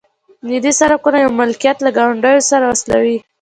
ملي سرکونه یو مملکت له ګاونډیو سره وصلوي